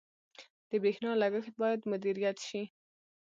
• د برېښنا لګښت باید مدیریت شي.